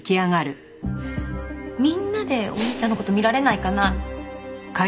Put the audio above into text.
みんなでお兄ちゃんの事見られないかな？